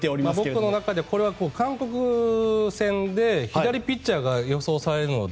僕の中でこれは韓国戦で左ピッチャーが予想されるので。